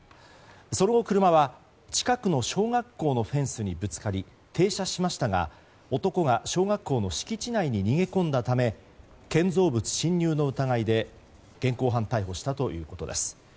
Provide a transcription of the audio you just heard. その後、車は近くの小学校のフェンスにぶつかり停車しましたが男が小学校の敷地内に逃げ込んだため建造物侵入の疑いで現行犯逮捕したということです。